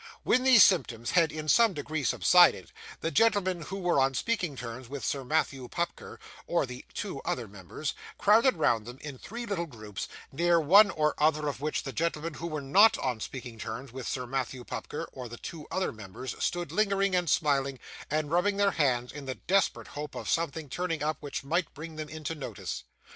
When these symptoms had in some degree subsided, the gentlemen who were on speaking terms with Sir Matthew Pupker, or the two other members, crowded round them in three little groups, near one or other of which the gentlemen who were NOT on speaking terms with Sir Matthew Pupker or the two other members, stood lingering, and smiling, and rubbing their hands, in the desperate hope of something turning up which might bring them into notice.